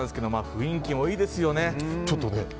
雰囲気もいいですよね。